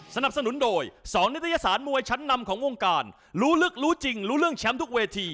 สนับสนุนโดย๒นิตยสารมวยชั้นนำของวงการรู้ลึกรู้จริงรู้เรื่องแชมป์ทุกเวที